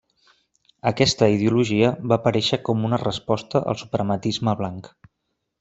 Aquesta ideologia va aparèixer com una resposta al suprematisme blanc.